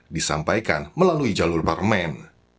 disampaikan melalui jalur parlemen